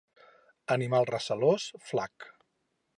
Animal recelós, flac.